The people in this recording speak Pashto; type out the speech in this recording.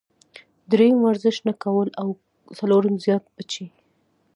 دريم ورزش نۀ کول او څلورم زيات بچي -